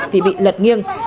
thì bị lật nghiêng